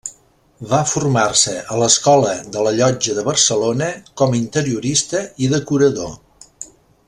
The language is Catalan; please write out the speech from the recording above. Va formar-se a l'Escola de la Llotja de Barcelona com a interiorista i decorador.